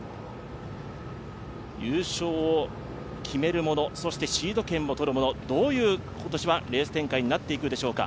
優勝を決めるもの、そしてシード権を取るもの、どういう今年はレ−ス展開になっていくでしょうか？